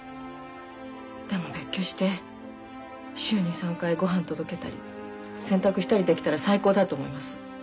でも別居して週２３回ごはん届けたり洗濯したりできたら最高だと思います。